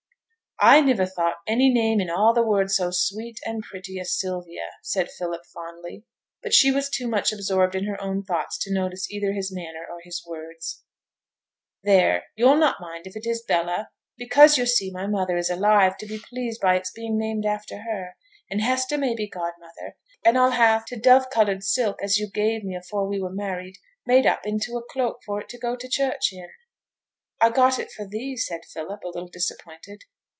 'I niver thought any name in a' the world so sweet and pretty as Sylvia,' said Philip, fondly; but she was too much absorbed in her own thoughts to notice either his manner or his words. 'There, yo'll not mind if it is Bella, because yo' see my mother is alive to be pleased by its being named after her, and Hester may be godmother, and I'll ha' t' dove coloured silk as yo' gave me afore we were married made up into a cloak for it to go to church in.' 'I got it for thee,' said Philip, a little disappointed.